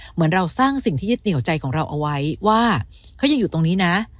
เหมือนเราสร้างสิ่งที่ยึดเหนียวใจของเราเอาไว้ว่าเขายังอยู่ตรงนี้นะ